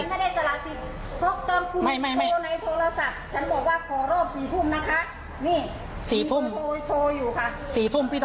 ซัลล่าทดโปรในโทรศัพท์